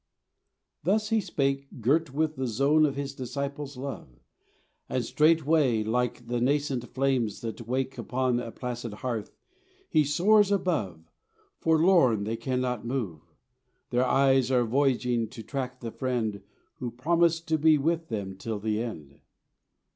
Thus He spake Girt with the zone of His disciples' love, And straightway, like the nascent flames that wake Upon a placid hearth, He soars above. Forlorn they cannot move; Their eyes are voyaging to track the Friend Who promised to be with them till the end.